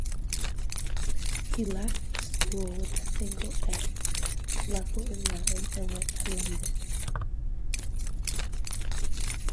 He left school with a single 'A' Level in Latin and went to London.